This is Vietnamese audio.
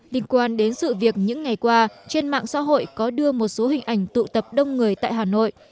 liên quan đến sự việc những ngày qua trên mạng xã hội có đưa một số hình ảnh tụ tập đông người tại hà nội